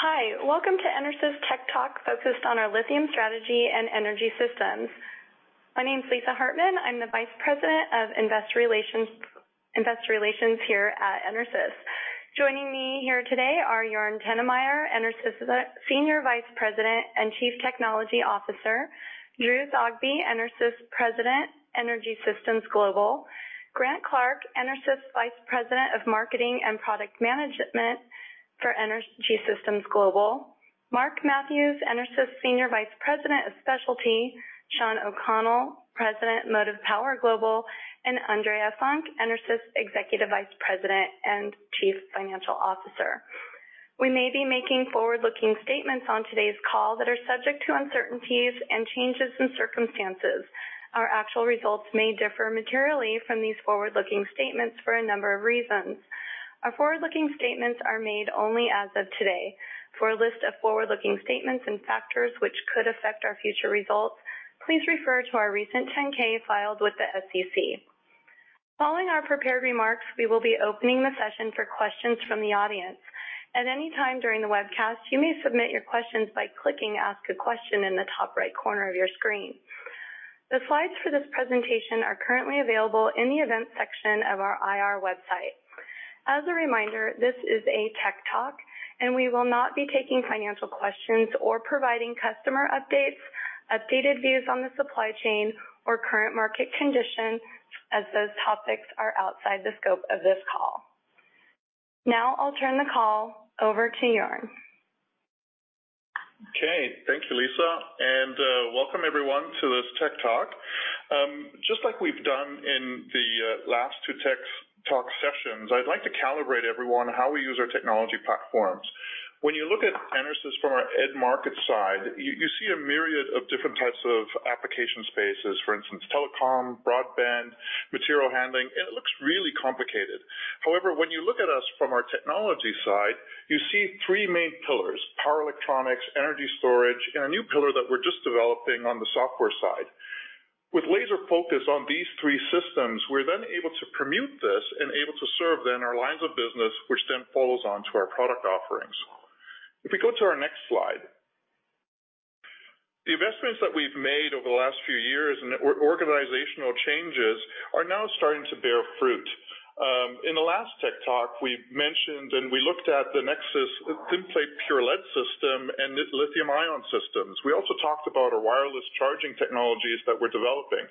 Hi, welcome to EnerSys Tech Talk focused on our lithium strategy and energy systems. My name is Lisa Hartman. I'm the Vice President of Investor Relations here at EnerSys. Joining me here today are Joern Tinnemeyer, EnerSys Senior Vice President and Chief Technology Officer. Drew Zogby, EnerSys President, Energy Systems Global. Grant Clark, EnerSys Vice President of Marketing and Product Management for Energy Systems Global. Mark Matthews, EnerSys Senior Vice President of Specialty. Shawn O'Connell, President, Motive Power Global, and Andrea Funk, EnerSys Executive Vice President and Chief Financial Officer. We may be making forward-looking statements on today's call that are subject to uncertainties and changes in circumstances. Our actual results may differ materially from these forward-looking statements for a number of reasons. Our forward-looking statements are made only as of today. For a list of forward-looking statements and factors which could affect our future results, please refer to our recent 10-K filed with the SEC. Following our prepared remarks, we will be opening the session for questions from the audience. At any time during the webcast, you may submit your questions by clicking Ask a Question in the top right corner of your screen. The slides for this presentation are currently available in the Events section of our IR website. As a reminder, this is a tech talk, and we will not be taking financial questions or providing customer updates, updated views on the supply chain or current market conditions, as those topics are outside the scope of this call. Now I'll turn the call over to Joern. Okay. Thank you, Lisa, welcome everyone to this tech talk. Just like we've done in the last 2 tech talk sessions, I'd like to calibrate everyone how we use our technology platforms. When you look at EnerSys from our end market side, you see a myriad of different types of application spaces, for instance, telecom, broadband, material handling, and it looks really complicated. When you look at us from our technology side, you see 3 main pillars: power electronics, energy storage, and a new pillar that we're just developing on the software side. With laser focus on these 3 systems, we're then able to permute this and able to serve then our lines of business, which then follows on to our product offerings. If we go to our next slide. The investments that we've made over the last few years and organizational changes are now starting to bear fruit. In the last tech talk we mentioned and we looked at the NexSys Thin Plate Pure Lead system and lithium-ion systems. We also talked about our wireless charging technologies that we're developing.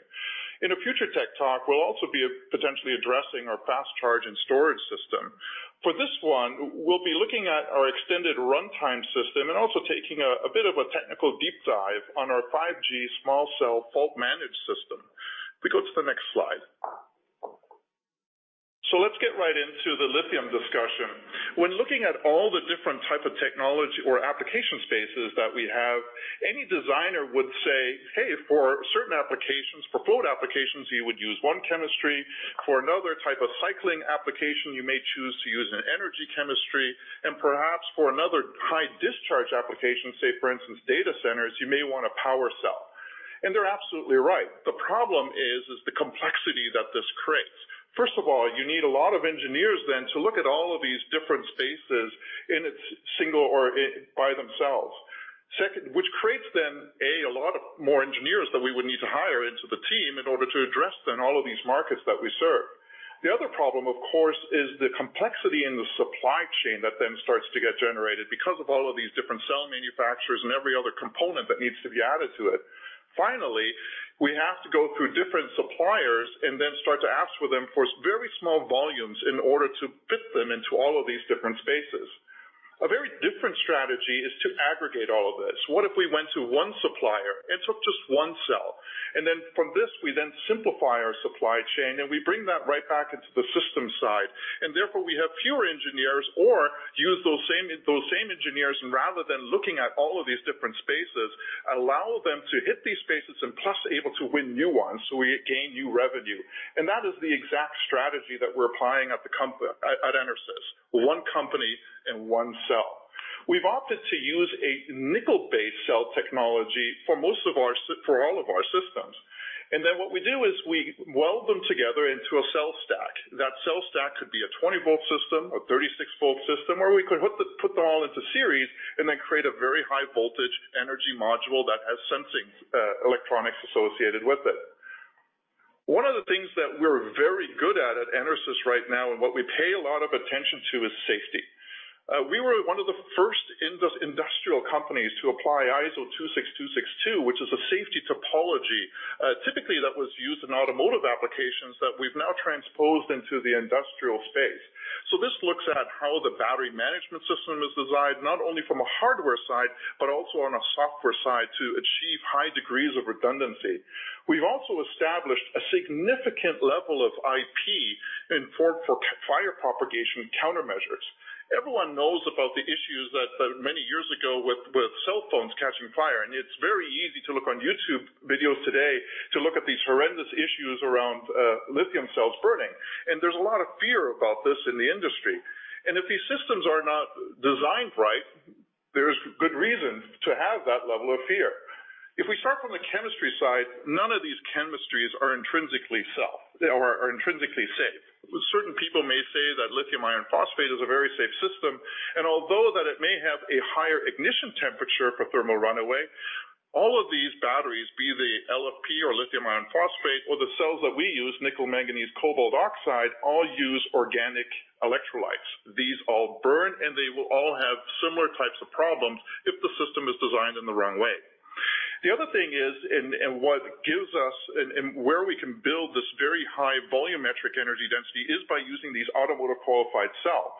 In a future tech talk, we'll also be potentially addressing our fast charge and storage system. For this one, we'll be looking at our extended runtime system and also taking a bit of a technical deep dive on our 5G small cell fault manage system. We go to the next slide. Let's get right into the lithium discussion. When looking at all the different type of technology or application spaces that we have, any designer would say, Hey, for certain applications, for float applications, you would use one chemistry. For another type of cycling application, you may choose to use an energy chemistry, and perhaps for another high discharge application, say for instance, data centers, you may want a power cell. They're absolutely right. The problem is the complexity that this creates. First of all, you need a lot of engineers then to look at all of these different spaces in its single or by themselves. Which creates then, a lot of more engineers that we would need to hire into the team in order to address then all of these markets that we serve. The other problem, of course, is the complexity in the supply chain that then starts to get generated because of all of these different cell manufacturers and every other component that needs to be added to it. We have to go through different suppliers and then start to ask for them for very small volumes in order to fit them into all of these different spaces. A very different strategy is to aggregate all of this. What if we went to one supplier and took just one cell? From this, we then simplify our supply chain, and we bring that right back into the system side. Therefore, we have fewer engineers or use those same engineers. Rather than looking at all of these different spaces, allow them to hit these spaces and plus able to win new ones. We gain new revenue. That is the exact strategy that we're applying at EnerSys, one company and one cell. We've opted to use a nickel-based cell technology for most of our for all of our systems. What we do is we weld them together into a cell stack. That cell stack could be a 20 volt system, a 36 volt system, or we could put them all into series and then create a very high voltage energy module that has sensing, electronics associated with it. One of the things that we're very good at at EnerSys right now and what we pay a lot of attention to is safety. We were one of the first industrial companies to apply ISO 26262, which is a safety topology, typically that was used in automotive applications that we've now transposed into the industrial space. This looks at how the battery management system is designed, not only from a hardware side, but also on a software side to achieve high degrees of redundancy. We've also established a significant level of IP in form for fire propagation countermeasures. Everyone knows about the issues that many years ago with cell phones catching fire, and it's very easy to look on YouTube videos today to look at these horrendous issues around lithium cells burning. There's a lot of fear about this in the industry. If these systems are not designed right. There's good reason to have that level of fear. If we start from the chemistry side, none of these chemistries are intrinsically safe. Certain people may say that lithium iron phosphate is a very safe system. Although that it may have a higher ignition temperature for thermal runaway, all of these batteries, be the LFP or lithium iron phosphate or the cells that we use, nickel manganese cobalt oxide, all use organic electrolytes. These all burn. They will all have similar types of problems if the system is designed in the wrong way. The other thing is, and what gives us and where we can build this very high volumetric energy density is by using these automotive qualified cell.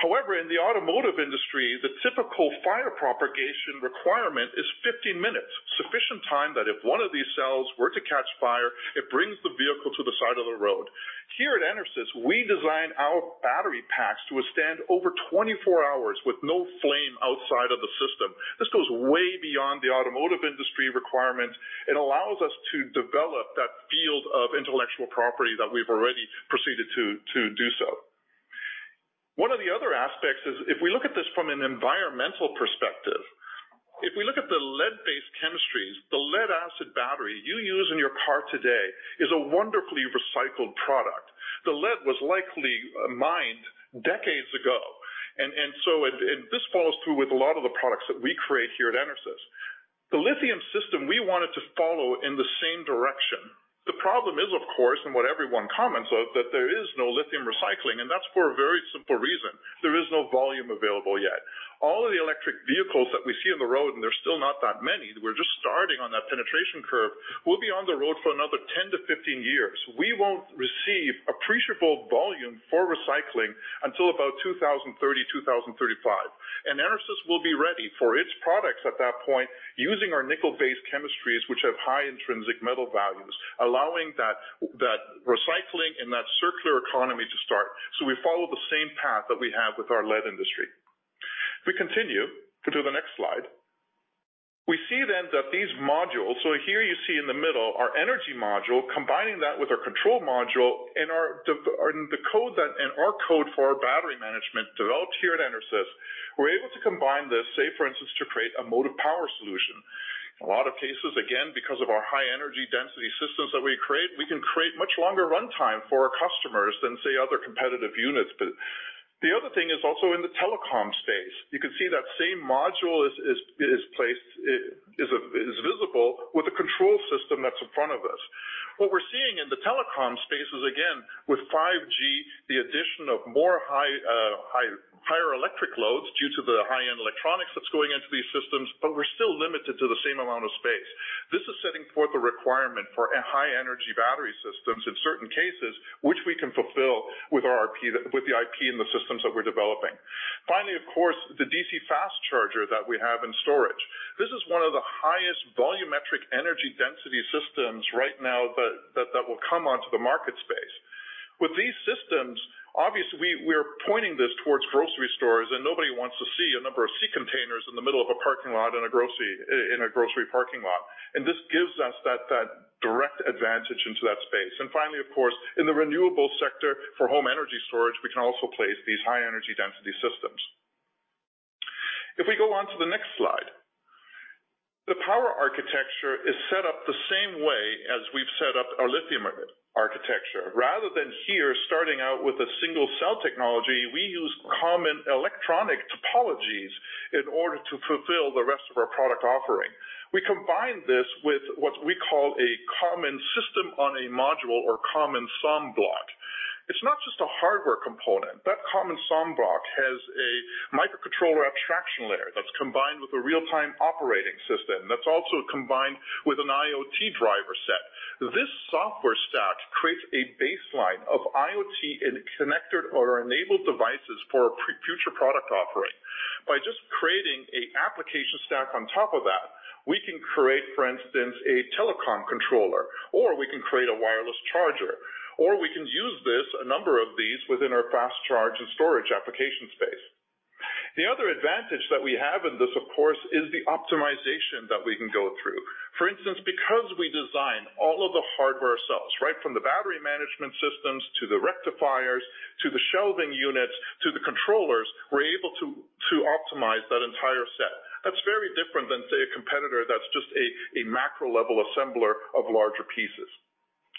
However, in the automotive industry, the typical fire propagation requirement is 15 minutes, sufficient time that if one of these cells were to catch fire, it brings the vehicle to the side of the road. Here at EnerSys, we design our battery packs to withstand over 24 hours with no flame outside of the system. This goes way beyond the automotive industry requirement. It allows us to develop that field of intellectual property that we've already proceeded to do so. One of the other aspects is if we look at this from an environmental perspective, if we look at the lead-based chemistries, the lead-acid battery you use in your car today is a wonderfully recycled product. The lead was likely mined decades ago. This follows through with a lot of the products that we create here at EnerSys. The lithium system we wanted to follow in the same direction. The problem is, of course, and what everyone comments of, that there is no lithium recycling, and that's for a very simple reason. There is no volume available yet. All of the electric vehicles that we see on the road, and there's still not that many, we're just starting on that penetration curve, will be on the road for another 10 to 15 years. We won't receive appreciable volume for recycling until about 2030, 2035. EnerSys will be ready for its products at that point using our nickel-based chemistries, which have high intrinsic metal values, allowing that recycling and that circular economy to start. We follow the same path that we have with our lead industry. If we continue to do the next slide. We see then that these modules, so here you see in the middle our energy module, combining that with our control module and our code for our battery management developed here at EnerSys. We're able to combine this, say, for instance, to create a motive power solution. In a lot of cases, again, because of our high energy density systems that we create, we can create much longer runtime for our customers than, say, other competitive units. The other thing is also in the telecom space. You can see that same module is visible with a control system that's in front of it. What we're seeing in the telecom space is, again, with 5G, the addition of more higher electric loads due to the high-end electronics that's going into these systems, but we're still limited to the same amount of space. This is setting forth a requirement for a high energy battery systems in certain cases, which we can fulfill with the IP and the systems that we're developing. Finally, of course, the DC fast charger that we have in storage. This is one of the highest volumetric energy density systems right now that will come onto the market space. With these systems, obviously, we're pointing this towards grocery stores. Nobody wants to see a number of sea containers in the middle of a parking lot in a grocery parking lot. This gives us that direct advantage into that space. Finally, of course, in the renewable sector for home energy storage, we can also place these high energy density systems. If we go on to the next slide. The power architecture is set up the same way as we've set up our lithium architecture. Rather than here starting out with a single cell technology, we use common electronic topologies in order to fulfill the rest of our product offering. We combine this with what we call a common system on a module or common SoM block. It's not just a hardware component. That common SoM block has a microcontroller abstraction layer that's combined with a real-time operating system, that's also combined with an IoT driver set. This software stack creates a baseline of IoT in connected or enabled devices for a future product offering. By just creating a application stack on top of that, we can create, for instance, a telecom controller, or we can create a wireless charger, or we can use this, a number of these, within our fast charge and storage application space. The other advantage that we have in this, of course, is the optimization that we can go through. For instance, because we design all of the hardware ourselves, right from the battery management systems to the rectifiers, to the shelving units, to the controllers, we're able to optimize that entire set. That's very different than, say, a competitor that's just a macro level assembler of larger pieces.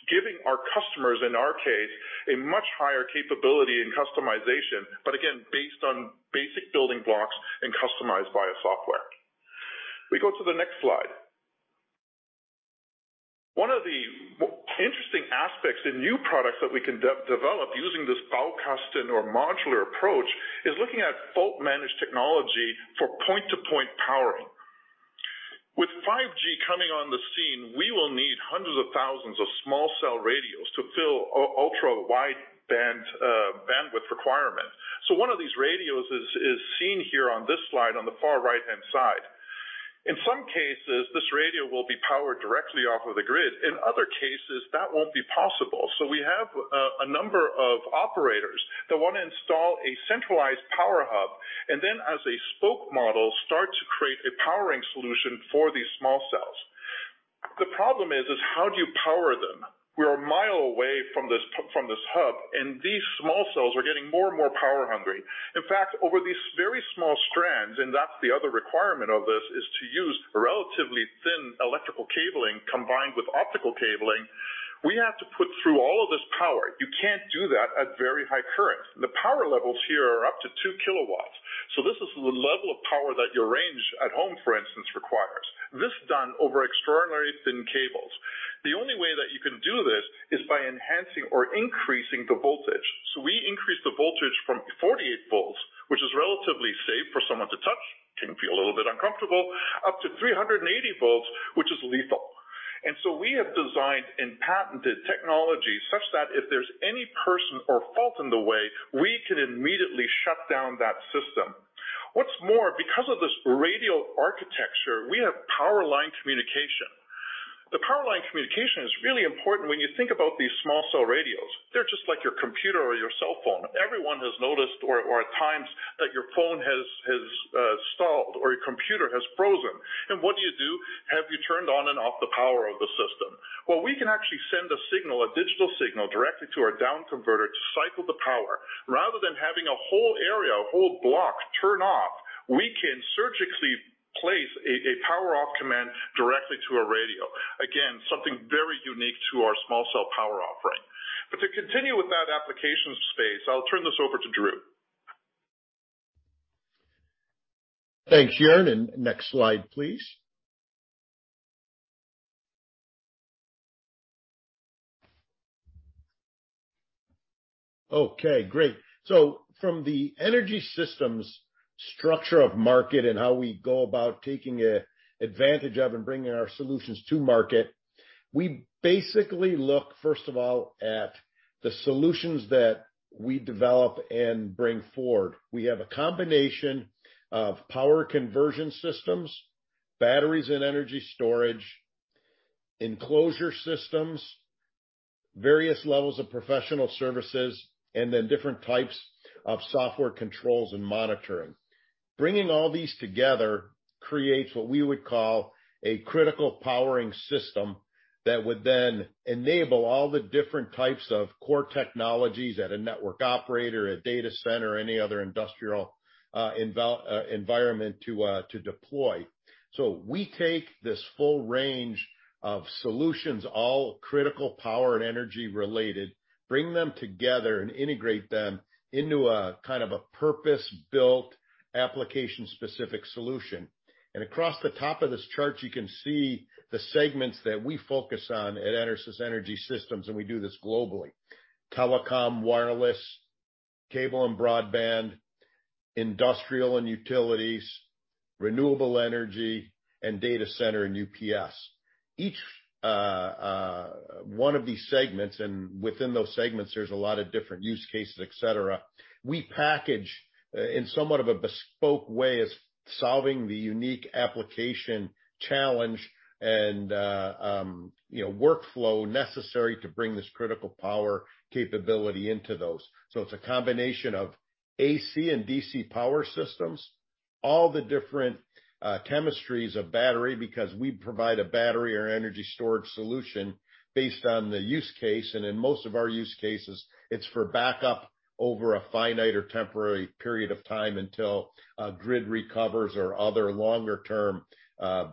Giving our customers, in our case, a much higher capability in customization, but again, based on basic building blocks and customized via software. We go to the next slide. One of the interesting aspects in new products that we can develop using this Baukasten or modular approach is looking at fault managed technology for point-to-point powering. With 5G coming on the scene, we will need hundreds of thousands of small cell radios to fill ultra-wideband bandwidth requirement. One of these radios is seen here on this slide on the far right-hand side. In some cases, this radio will be powered directly off of the grid. In other cases, that won't be possible. We have a number of operators that wanna install a centralized power hub, and then as a spoke model, start to create a powering solution for these small cells. The problem is, how do you power them? We're 1 mile away from this, from this hub, and these small cells are getting more and more power-hungry. In fact, over these very small strands, and that's the other requirement of this, is to use relatively thin electrical cabling combined with optical cabling. We have to put through all of this power. You can't do that at very high current. The power levels here are up to 2 kilowatts. This is the level of power that your range at home, for instance, requires. This done over extraordinarily thin cables. The only way that you can do this is by enhancing or increasing the voltage. We increase the voltage from 48 volts, which is relatively safe for someone to touch, can feel a little bit uncomfortable, up to 380 volts, which is lethal. We have designed and patented technology such that if there's any person or fault in the way, we can immediately shut down that system. What's more, because of this radial architecture, we have power line communication. The power line communication is really important when you think about these small cell radios. They're just like your computer or your cell phone. Everyone has noticed or at times that your phone has stalled or your computer has frozen. What do you do? Have you turned on and off the power of the system? Well, we can actually send a signal, a digital signal, directly to our down converter to cycle the power. Rather than having a whole area, a whole block turn off, we can surgically place a power off command directly to a radio. Again, something very unique to our small cell power offering. To continue with that application space, I'll turn this over to Drew. Thanks, Joern. Next slide, please. Okay, great. From the Energy Systems structure of market and how we go about taking advantage of and bringing our solutions to market, we basically look, first of all, at the solutions that we develop and bring forward. We have a combination of power conversion systems, batteries and energy storage, enclosure systems, various levels of professional services, and then different types of software controls and monitoring. Bringing all these together creates what we would call a critical powering system that would then enable all the different types of core technologies at a network operator, a data center, or any other industrial environment to deploy. We take this full range of solutions, all critical power and energy related, bring them together and integrate them into a kind of a purpose-built, application-specific solution. Across the top of this chart, you can see the segments that we focus on at EnerSys Energy Systems, and we do this globally. Telecom, wireless, cable and broadband, industrial and utilities, renewable energy, and data center and UPS. Each one of these segments, and within those segments, there's a lot of different use cases, et cetera, we package in somewhat of a bespoke way as solving the unique application challenge and, you know, workflow necessary to bring this critical power capability into those. It's a combination of AC and DC power systems, all the different chemistries of battery, because we provide a battery or energy storage solution based on the use case. In most of our use cases, it's for backup over a finite or temporary period of time until a grid recovers or other longer-term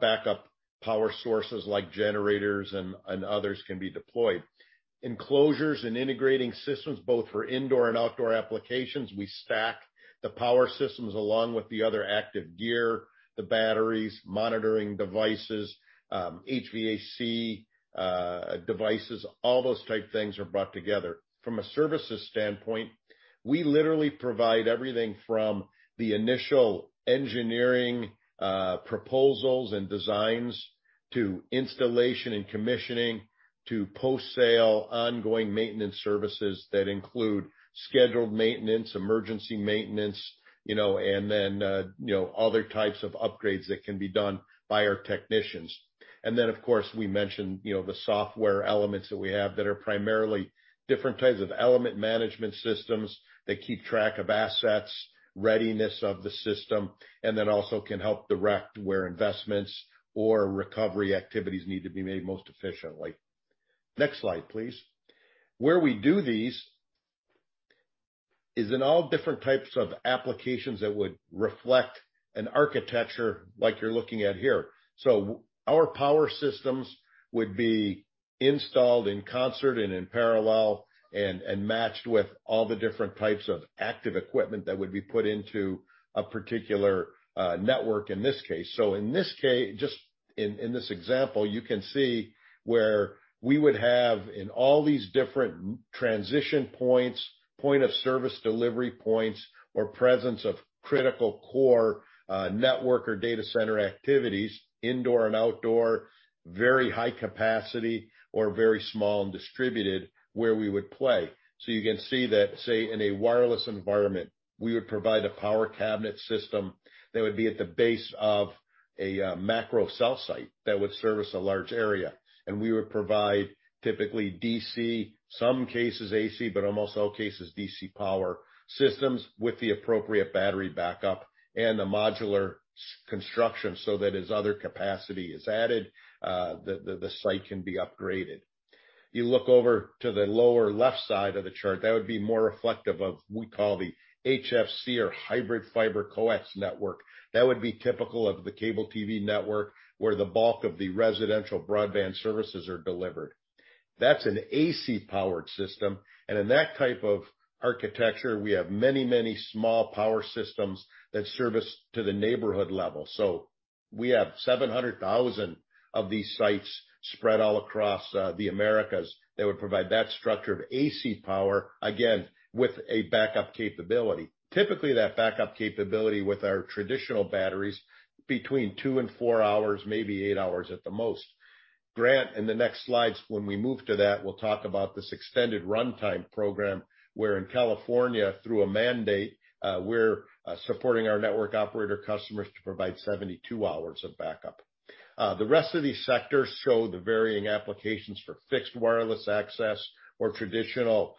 backup power sources like generators and others can be deployed. Enclosures and integrating systems both for indoor and outdoor applications. We stack the power systems along with the other active gear, the batteries, monitoring devices, HVAC devices, all those type things are brought together. From a services standpoint, we literally provide everything from the initial engineering proposals and designs to installation and commissioning to post-sale ongoing maintenance services that include scheduled maintenance, emergency maintenance, you know, and then other types of upgrades that can be done by our technicians. Of course, we mentioned, you know, the software elements that we have that are primarily different types of element management systems that keep track of assets, readiness of the system, and then also can help direct where investments or recovery activities need to be made most efficiently. Next slide, please. Where we do these is in all different types of applications that would reflect an architecture like you're looking at here. Our power systems would be installed in concert and in parallel and matched with all the different types of active equipment that would be put into a particular network in this case. In this example, you can see where we would have in all these different transition points, point of service delivery points or presence of critical core network or data center activities, indoor and outdoor, very high capacity or very small and distributed, where we would play. You can see that, say, in a wireless environment, we would provide a power cabinet system that would be at the base of a macro cell site that would service a large area. We would provide typically DC, some cases AC, but almost all cases DC power systems with the appropriate battery backup and a modular construction so that as other capacity is added, the site can be upgraded. You look over to the lower left side of the chart, that would be more reflective of we call the HFC or hybrid fiber coax network. That would be typical of the cable TV network, where the bulk of the residential broadband services are delivered. That's an AC powered system, and in that type of architecture, we have many, many small power systems that service to the neighborhood level. We have 700,000 of these sites spread all across the Americas that would provide that structure of AC power, again, with a backup capability. Typically, that backup capability with our traditional batteries between 2 and 4 hours, maybe 8 hours at the most. Grant, in the next slides, when we move to that, we'll talk about this extended runtime program, where in California, through a mandate, we're supporting our network operator customers to provide 72 hours of backup. The rest of these sectors show the varying applications for fixed wireless access or traditional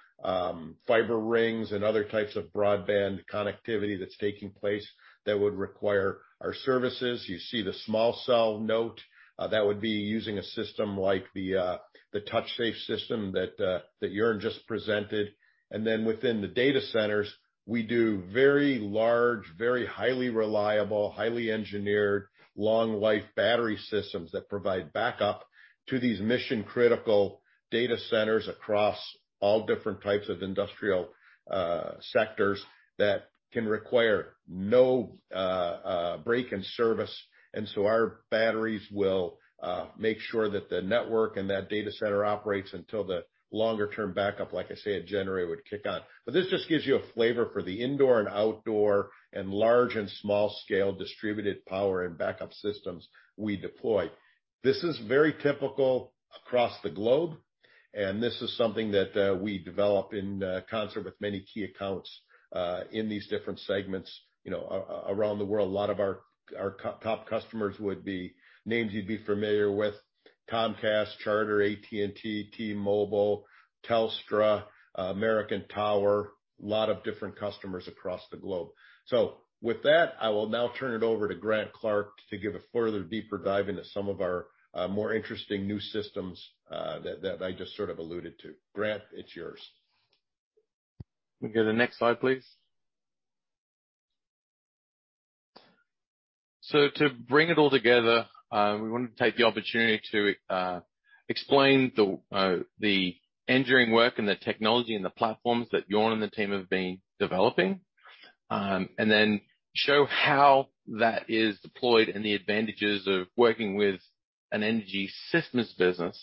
fiber rings and other types of broadband connectivity that's taking place that would require our services. You see the small cell note, that would be using a system like the TouchSafe system that Joern just presented. Then within the data centers, we do very large, very highly reliable, highly engineered, long-life battery systems that provide backup to these mission-critical data centers across all different types of industrial sectors that can require no break in service. So our batteries will make sure that the network and that data center operates until the longer-term backup, like I say, a generator would kick on. This just gives you a flavor for the indoor and outdoor and large and small scale distributed power and backup systems we deploy. This is very typical across the globe, and this is something that we develop in concert with many key accounts in these different segments, you know, around the world. A lot of our top customers would be names you'd be familiar with, Comcast, Charter, AT&T, T-Mobile, Telstra, American Tower, a lot of different customers across the globe. With that, I will now turn it over to Grant Clark to give a further deeper dive into some of our more interesting new systems that I just sort of alluded to. Grant, it's yours. We go to the next slide, please. To bring it all together, we wanted to take the opportunity to explain the engineering work and the technology and the platforms that Joern and the team have been developing, and then show how that is deployed and the advantages of working with an Energy Systems Global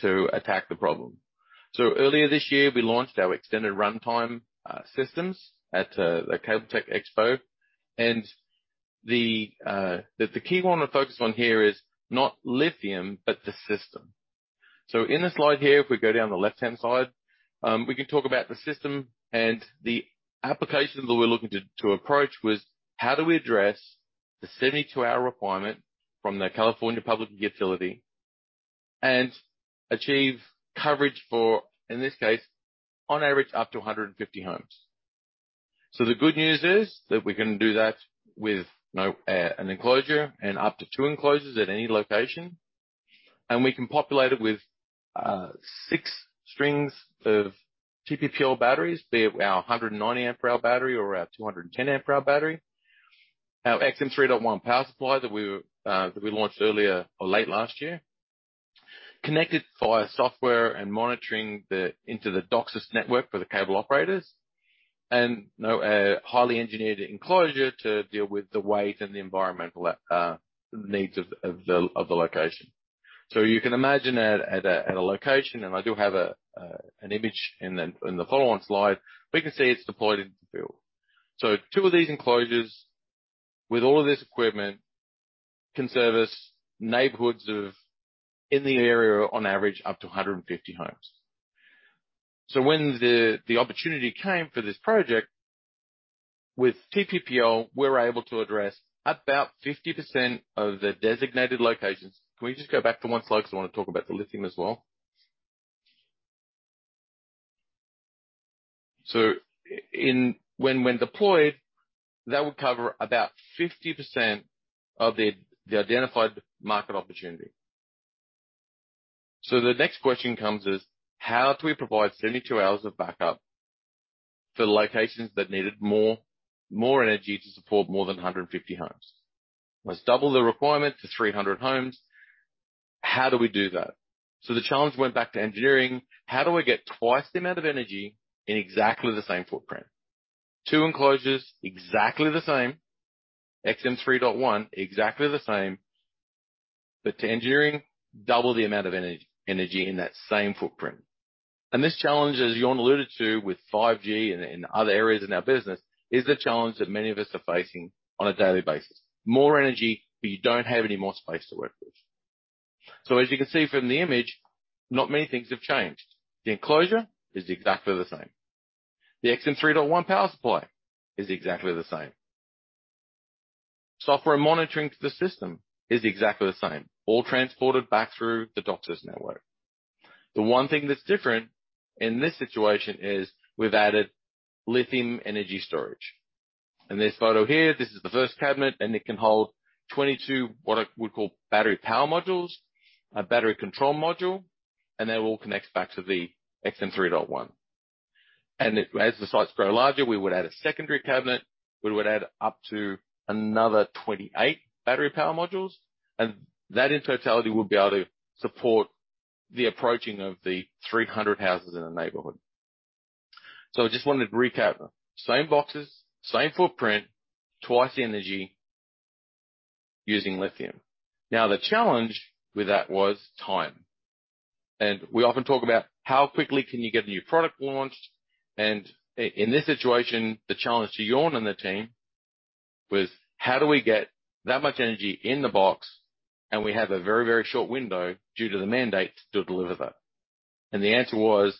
to attack the problem. Earlier this year, we launched our extended runtime systems at the SCTE Cable-Tec Expo. The key one to focus on here is not lithium, but the system. In the slide here, if we go down the left-hand side, we can talk about the system and the applications that we're looking to approach was how do we address the 72-hour requirement from the California Public Utility and achieve coverage for, in this case, on average, up to 150 homes. The good news is that we can do that with an enclosure and up to two enclosures at any location. We can populate it with six strings of TPPL batteries, be it our 190 amp hour battery or our 210 amp hour battery. Our XM 3.1 power supply that we launched earlier or late last year, connected via software and monitoring the, into the DOCSIS network for the cable operators, and no highly engineered enclosure to deal with the weight and the environmental needs of the location. You can imagine at a location, and I do have an image in the following slide, we can see it's deployed in the field. 2 of these enclosures with all of this equipment can service neighborhoods of, in the area on average, up to 150 homes. When the opportunity came for this project with TPPL, we're able to address about 50% of the designated locations. Can we just go back for 1 slide because I wanna talk about the lithium as well? When deployed, that would cover about 50% of the identified market opportunity. The next question comes is. How do we provide 72 hours of backup for the locations that needed more energy to support more than 150 homes? Let's double the requirement to 300 homes. How do we do that? The challenge went back to engineering. How do I get twice the amount of energy in exactly the same footprint? 2 enclosures, exactly the same. XM3.1, exactly the same. To engineering, double the amount of energy in that same footprint. This challenge, as Jörn alluded to with 5G and other areas in our business, is the challenge that many of us are facing on a daily basis. More energy, you don't have any more space to work with. As you can see from the image, not many things have changed. The enclosure is exactly the same. The XM 3.1 power supply is exactly the same. Software monitoring to the system is exactly the same. All transported back through the DOCSIS network. The one thing that's different in this situation is we've added lithium energy storage. In this photo here, this is the first cabinet, and it can hold 22, what I would call battery power modules, a battery control module, and that all connects back to the XM 3.1. As the sites grow larger, we would add a secondary cabinet. We would add up to another 28 battery power modules, and that in totality will be able to support the approaching of the 300 houses in the neighborhood. I just wanted to recap. Same boxes, same footprint, twice the energy using lithium. The challenge with that was time. We often talk about how quickly can you get a new product launched? In this situation, the challenge to Joern and the team was: How do we get that much energy in the box, and we have a very, very short window due to the mandate to deliver that. The answer was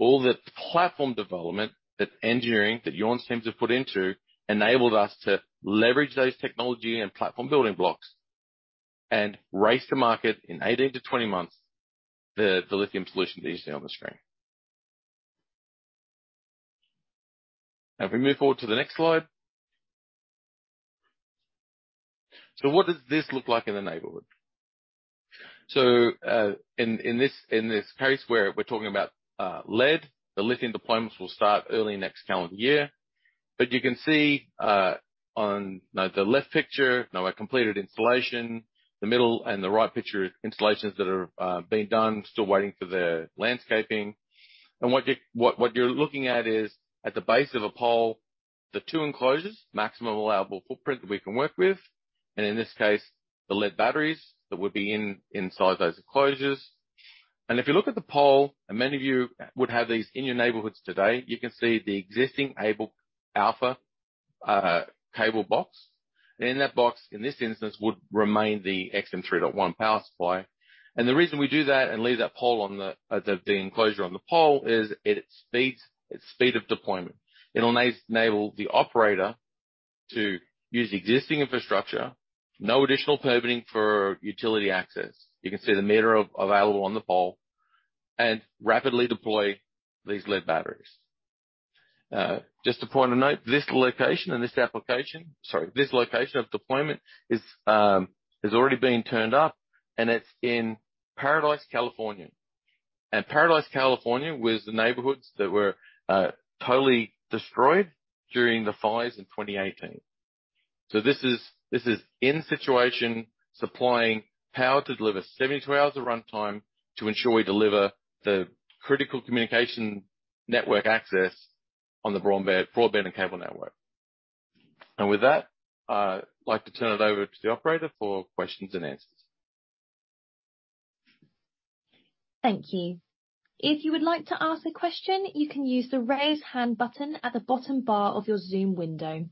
all the platform development that engineering, that Joern's teams have put into, enabled us to leverage those technology and platform building blocks and race to market in 18-20 months the lithium solution that you see on the screen. If we move forward to the next slide. What does this look like in the neighborhood? In this, in this case, we're talking about lead. The lithium deployments will start early next calendar year. You can see on the left picture, now a completed installation. The middle and the right picture, installations that are being done, still waiting for the landscaping. What you're looking at is at the base of a pole, the two enclosures, maximum allowable footprint that we can work with, and in this case, the lead batteries that would be inside those enclosures. If you look at the pole, and many of you would have these in your neighborhoods today, you can see the existing Alpha cable box. In that box, in this instance, would remain the XM3.1 power supply. The reason we do that and leave that enclosure on the pole is it speeds its speed of deployment. It'll enable the operator to use existing infrastructure, no additional permitting for utility access. You can see the meter available on the pole, and rapidly deploy these lead batteries. Just a point to note, this location of deployment is already being turned up, and it's in Paradise, California. Paradise, California, was the neighborhoods that were totally destroyed during the fires in 2018. This is in situation supplying power to deliver 72 hours of runtime to ensure we deliver the critical communication network access on the broadband and cable network. With that, I'd like to turn it over to the operator for questions-and-answers. Thank you. If you would like to ask a question, you can use the Raise Hand button at the bottom bar of your Zoom window.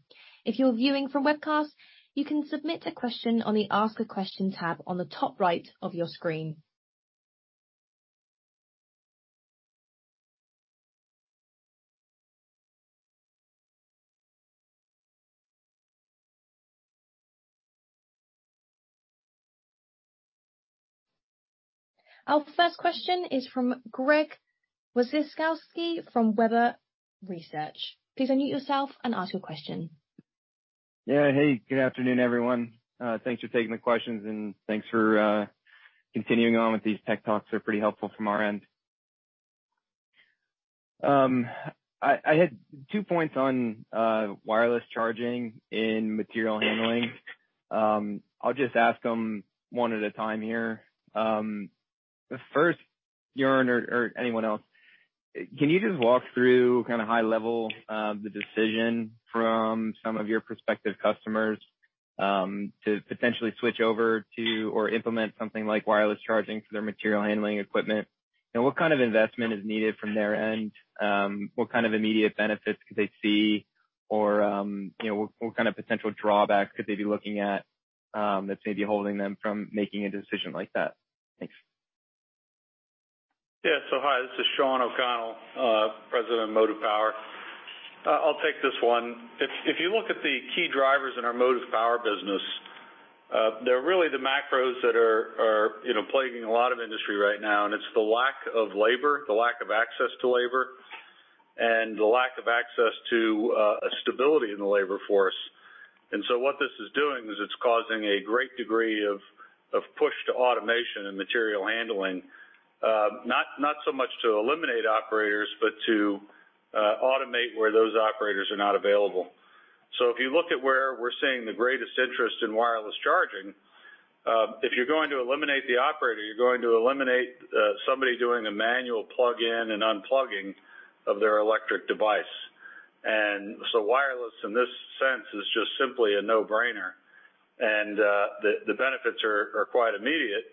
If you're viewing from webcast, you can submit a question on the Ask a Question tab on the top right of your screen. Our first question is from Greg Wasikowski from Webber Research & Advisory. Please unmute yourself and ask your question. Yeah. Hey, good afternoon, everyone. Thanks for taking the questions, and thanks for continuing on with these tech talks. They're pretty helpful from our end. I had two points on wireless charging in material handling. I'll just ask them one at a time here. The first, Joern or anyone else, can you just walk through kind of high level the decision from some of your prospective customers to potentially switch over to or implement something like wireless charging for their material handling equipment? What kind of investment is needed from their end? What kind of immediate benefits could they see or, you know, what kind of potential drawbacks could they be looking at that's maybe holding them from making a decision like that? Thanks. Yeah. Hi, this is Shawn O'Connell, President of Motive Power. I'll take this one. If you look at the key drivers in our Motive Power business, they're really the macros that are, you know, plaguing a lot of industry right now, it's the lack of labor, the lack of access to labor, and the lack of access to a stability in the labor force. What this is doing is it's causing a great degree of push to automation and material handling, not so much to eliminate operators, but to automate where those operators are not available. If you look at where we're seeing the greatest interest in wireless charging, if you're going to eliminate the operator, you're going to eliminate somebody doing a manual plug-in and unplugging of their electric device. Wireless in this sense is just simply a no-brainer. The benefits are quite immediate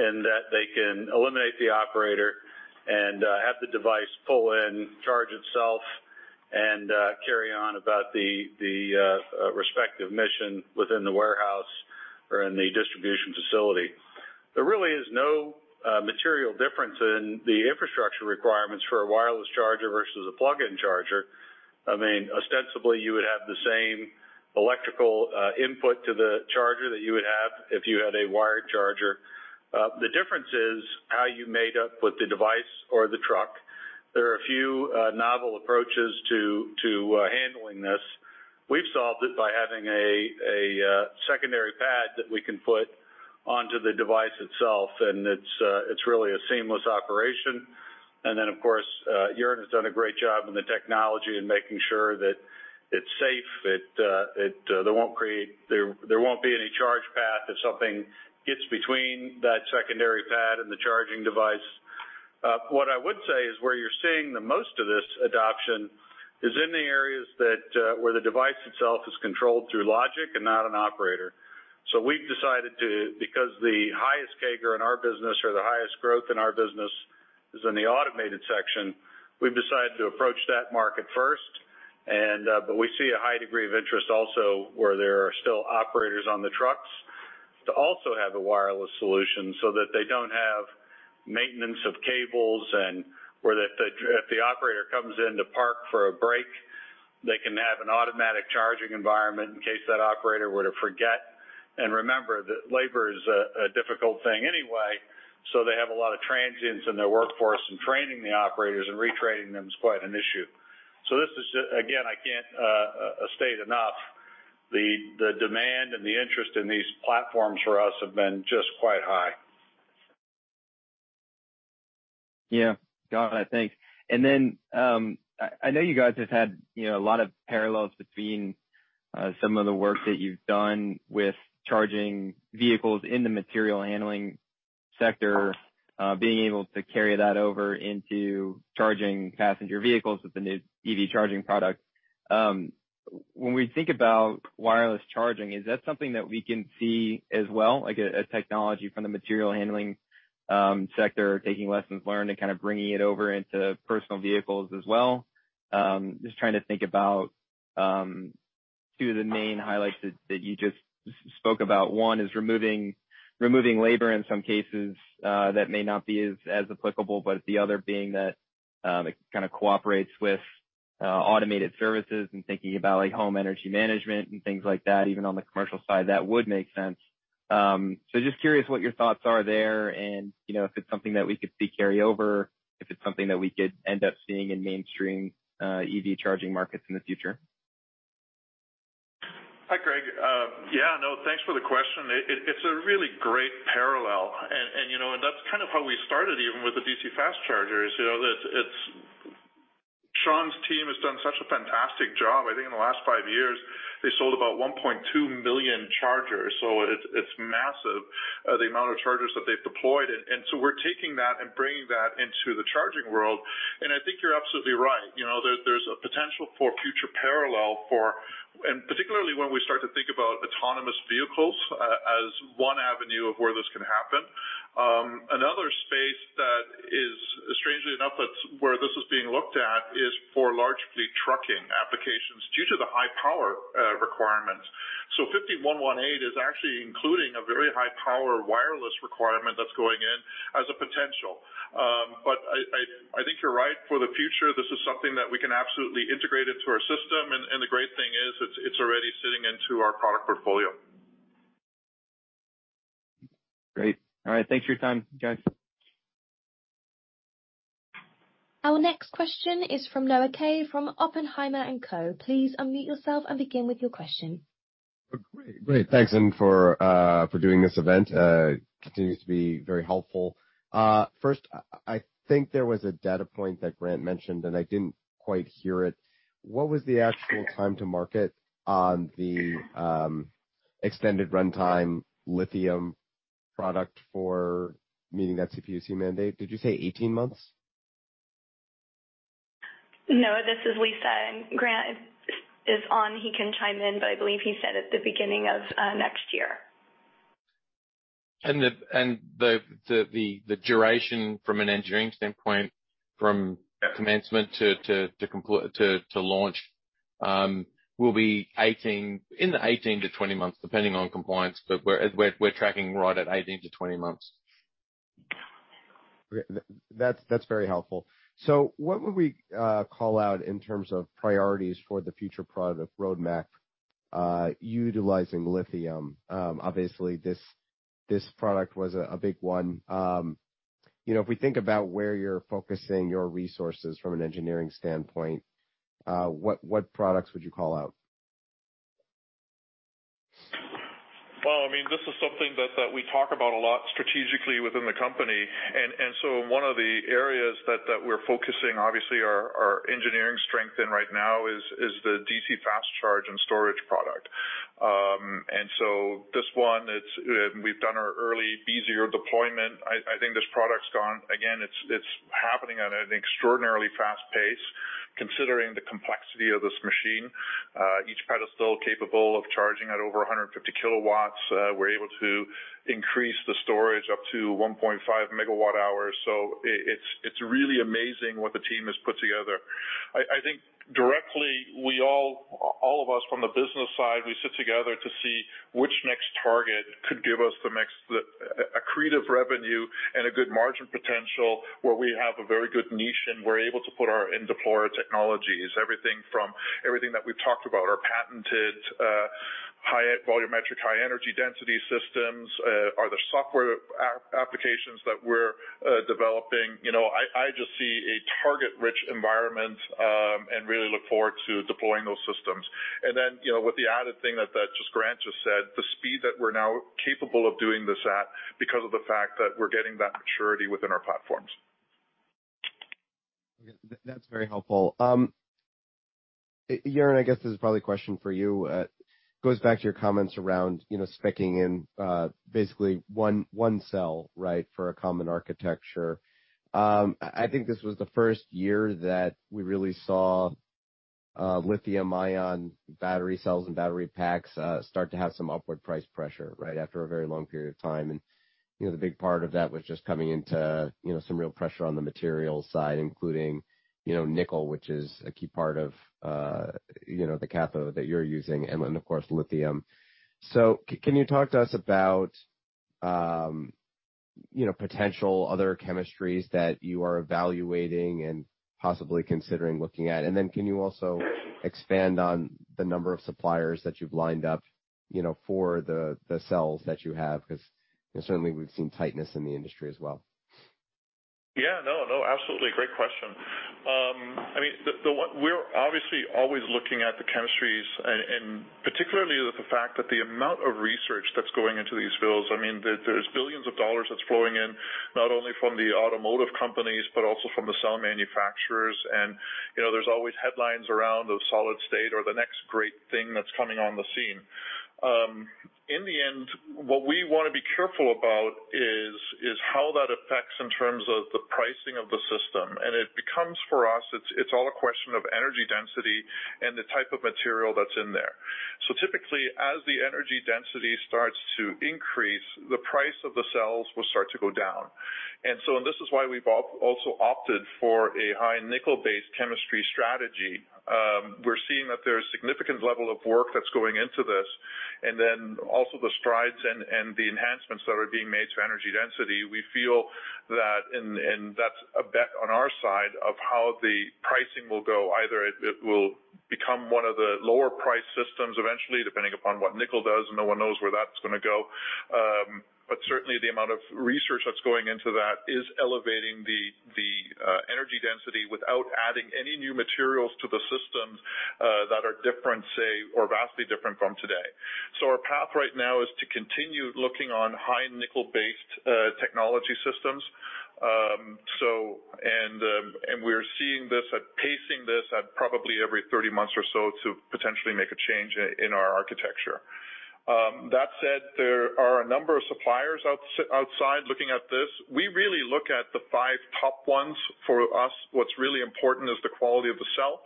in that they can eliminate the operator and have the device pull in, charge itself, and carry on about the respective mission within the warehouse or in the distribution facility. There really is no material difference in the infrastructure requirements for a wireless charger versus a plug-in charger. I mean, ostensibly, you would have the same Electrical input to the charger that you would have if you had a wired charger. The difference is how you made up with the device or the truck. There are a few novel approaches to handling this. We've solved it by having a secondary pad that we can put onto the device itself and it's really a seamless operation. Of course, Joern has done a great job on the technology in making sure that it's safe. There won't be any charge path if something gets between that secondary pad and the charging device. What I would say is where you're seeing the most of this adoption is in the areas that where the device itself is controlled through logic and not an operator. We've decided to Because the highest CAGR in our business or the highest growth in our business is in the automated section, we've decided to approach that market first. But we see a high degree of interest also where there are still operators on the trucks to also have a wireless solution so that they don't have maintenance of cables and/or that if the operator comes in to park for a break, they can have an automatic charging environment in case that operator were to forget. Remember that labor is a difficult thing anyway, so they have a lot of transients in their workforce, and training the operators and retraining them is quite an issue. This is, again, I can't state enough the demand and the interest in these platforms for us have been just quite high. Yeah. Got it. Thanks. I know you guys have had, you know, a lot of parallels between some of the work that you've done with charging vehicles in the material handling sector, being able to carry that over into charging passenger vehicles with the new EV charging product. When we think about wireless charging, is that something that we can see as well, like a technology from the material handling sector, taking lessons learned and kind of bringing it over into personal vehicles as well? Just trying to think about two of the main highlights that you just spoke about. One is removing labor in some cases, that may not be as applicable, but the other being that, it kind of cooperates with automated services and thinking about, like, home energy management and things like that, even on the commercial side, that would make sense. Just curious what your thoughts are there and, you know, if it's something that we could see carry over, if it's something that we could end up seeing in mainstream EV charging markets in the future. Hi, Greg. Yeah, no, thanks for the question. It's a really great parallel, you know, and that's kind of how we started even with the DC fast chargers. You know, Shawn's team has done such a fantastic job. I think in the last five years, they sold about 1.2 million chargers. It's massive, the amount of chargers that they've deployed. So we're taking that and bringing that into the charging world. I think you're absolutely right. You know, there's a potential for future parallel for. Particularly when we start to think about autonomous vehicles as one avenue of where this can happen. Another space that is, strangely enough, that's where this is being looked at is for largely trucking applications due to the high power requirements. SAE 5118 is actually including a very high power wireless requirement that's going in as a potential. I think you're right. For the future, this is something that we can absolutely integrate into our system. The great thing is, it's already sitting into our product portfolio. Great. All right. Thanks for your time, guys. Our next question is from Noah Kaye from Oppenheimer & Co. Please unmute yourself and begin with your question. Great. Thanks, and for doing this event. Continues to be very helpful. First, I think there was a data point that Grant mentioned, and I didn't quite hear it. What was the actual time to market on the extended runtime lithium product for meeting that CPUC mandate? Did you say 18 months? No, this is Lisa, and Grant is on. He can chime in, but I believe he said at the beginning of next year. The duration from an engineering standpoint. Yeah. Commencement to launch will be 18, in the 18 to 20 months, depending on compliance. We're tracking right at 18 to 20 months. Great. That's very helpful. What would we call out in terms of priorities for the future product roadmap, utilizing lithium? Obviously, this product was a big one. You know, if we think about where you're focusing your resources from an engineering standpoint, what products would you call out? Well, I mean, this is something that we talk about a lot strategically within the company. One of the areas that we're focusing, obviously, our engineering strength in right now is the DC fast charge and storage product. This one, it's, we've done our early easier deployment. I think this product's gone, again, it's happening at an extraordinarily fast pace, considering the complexity of this machine. Each pedestal capable of charging at over 150 kilowatts. We're able to increase the storage up to 1.5 megawatt hours. It's really amazing what the team has put together. I think directly, we all of us from the business side, we sit together to see which next target could give us the next accretive revenue and a good margin potential, where we have a very good niche and we're able to deploy our technologies. Everything that we've talked about, our patented, high volumetric, high energy density systems, are the software applications that we're developing. You know, I just see a target-rich environment, and really look forward to deploying those systems. You know, with the added thing that just Grant just said, the speed that we're now capable of doing this at because of the fact that we're getting that maturity within our platforms. Okay. That's very helpful. Joern, I guess this is probably a question for you. It goes back to your comments around, you know, specing in, basically one cell, right, for a common architecture. I think this was the first year that we really saw lithium ion battery cells and battery packs start to have some upward price pressure right after a very long period of time. You know, the big part of that was just coming into, you know, some real pressure on the materials side, including, you know, nickel, which is a key part of, you know, the cathode that you're using and of course, lithium. Can you talk to us about, you know, potential other chemistries that you are evaluating and possibly considering looking at? Can you also expand on the number of suppliers that you've lined up, you know, for the cells that you have? 'Cause, you know, certainly we've seen tightness in the industry as well. Yeah. No, no, absolutely. Great question. I mean, we're obviously always looking at the chemistries and particularly the fact that the amount of research that's going into these fields, I mean, there's billions of dollars that's flowing in, not only from the automotive companies, but also from the cell manufacturers. You know, there's always headlines around those solid state or the next great thing that's coming on the scene. In the end, what we wanna be careful about is how that affects in terms of the pricing of the system. It becomes for us, it's all a question of energy density and the type of material that's in there. Typically, as the energy density starts to increase, the price of the cells will start to go down. This is why we've also opted for a high nickel-based chemistry strategy. We're seeing that there's significant level of work that's going into this, and then also the strides and the enhancements that are being made to energy density. We feel that that's a bet on our side of how the pricing will go. Either it will become one of the lower priced systems eventually, depending upon what nickel does, and no one knows where that's gonna go. Certainly the amount of research that's going into that is elevating the energy density without adding any new materials to the systems that are different, say, or vastly different from today. Our path right now is to continue looking on high nickel-based technology systems. We're seeing this at, pacing this at probably every 30 months or so to potentially make a change in our architecture. That said, there are a number of suppliers outside looking at this. We really look at the 5 top ones. For us, what's really important is the quality of the cell.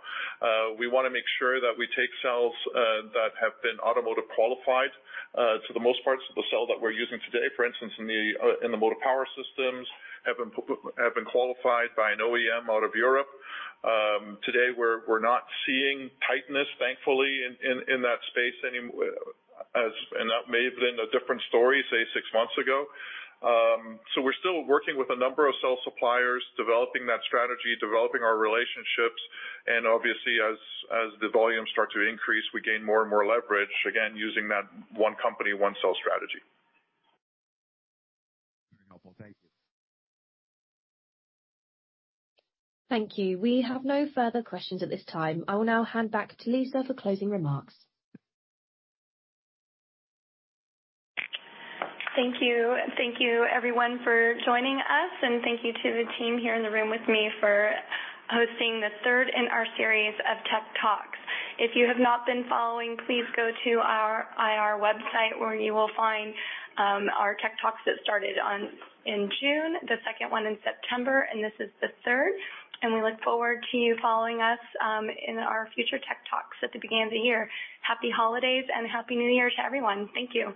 We wanna make sure that we take cells, that have been automotive qualified, to the most parts of the cell that we're using today. For instance, in the motor power systems, have been qualified by an OEM out of Europe. Today we're not seeing tightness, thankfully, in that space. That may have been a different story, say, 6 months ago. We're still working with a number of cell suppliers, developing that strategy, developing our relationships, and obviously as the volumes start to increase, we gain more and more leverage, again, using that one company, one cell strategy. Very helpful. Thank you. Thank you. We have no further questions at this time. I will now hand back to Lisa for closing remarks. Thank you. Thank you everyone for joining us, and thank you to the team here in the room with me for hosting the third in our series of tech talks. If you have not been following, please go to our IR website, where you will find our tech talks that started on, in June, the second one in September, and this is the third. We look forward to you following us in our future tech talks at the beginning of the year. Happy holidays and Happy New Year to everyone. Thank you.